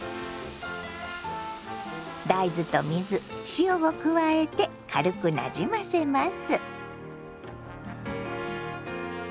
大豆と水塩を加えて軽くなじませます。